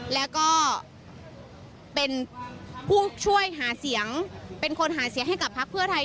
แล้วก็เป็นผู้ช่วยหาเสียงเป็นคนหาเสียงให้กับพักเพื่อไทย